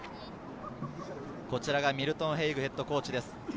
こちらがミルトン・ヘイグヘッドコーチです。